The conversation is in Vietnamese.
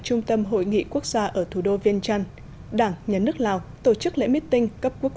trung tâm hội nghị quốc gia ở thủ đô vientiane đảng nhà nước lào tổ chức lễ mít tinh cấp quốc